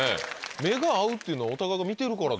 目が合うっていうのはお互いが見てるからですよね。